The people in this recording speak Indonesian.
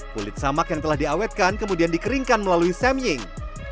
kulit samak yang telah diawetkan kemudian dikeringkan melalui samying